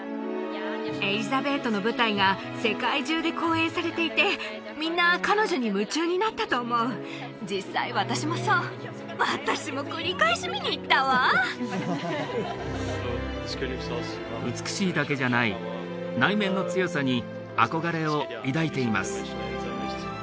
エリザベートの舞台が世界中で公演されていてみんな彼女に夢中になったと思う実際私もそう私も繰り返し見に行ったわ美しいだけじゃない内面の強さに憧れを抱いています